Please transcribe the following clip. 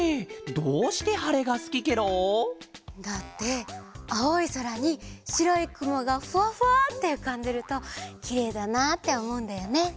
どうしてはれがすきケロ？だってあおいそらにしろいくもがフワフワッてうかんでるときれいだなっておもうんだよね。